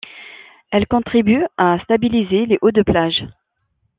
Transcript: Elle contribue à stabiliser les hauts de plages.